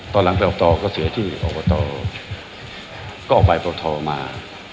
ตอนหลังไปออกต่อก็เสียที่ออกต่อก็ออกใบโพธอมา